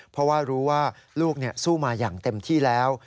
เพราะว่ารู้ว่าลูกสู้มาอย่างเต็มที่แล้ว